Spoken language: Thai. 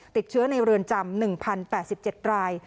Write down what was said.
ติดเชื้อในเรือนจำหนึ่งพันแปดสิบเจ็ดราย